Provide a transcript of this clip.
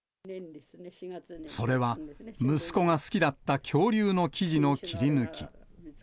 それは、息子が好きだった恐竜の記事の切り抜き。